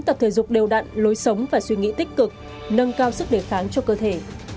tập thể dục đều đặn lối sống và suy nghĩ tích cực nâng cao sức đề kháng cho cơ thể